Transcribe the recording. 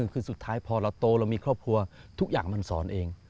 คือสุดท้ายพอเราโตเรามีครอบครัวทุกอย่างมันสอนเอง